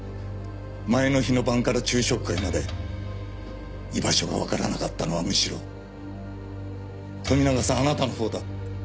前の日の晩から昼食会まで居場所がわからなかったのはむしろ富永さんあなたのほうだ。